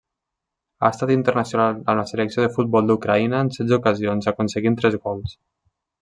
Ha estat internacional amb la Selecció de futbol d'Ucraïna en setze ocasions aconseguint tres gols.